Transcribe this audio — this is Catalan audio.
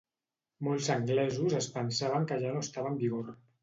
Molts anglesos es pensaven que ja no estava en vigor.